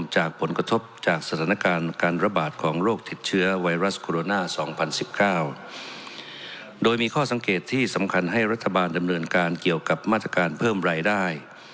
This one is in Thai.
จากผลกระทบจากสถานการณ์การระบาดของโรคติดเชื้อไวรัสโคโรนา๒๐๑๙โดยมีข้อสังเกตที่สำคัญให้รัฐบาลดำเนินการเกี่ยวกับมาตรการเพิ่มรายได้